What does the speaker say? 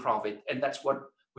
dan itulah yang kita pelajari